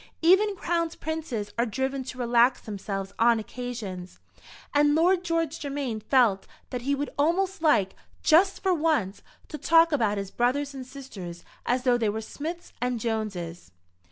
Even crowned princes are driven to relax themselves on occasions, and Lord George Germain felt that he would almost like, just for once, to talk about his brothers and sisters as though they were Smiths and Joneses.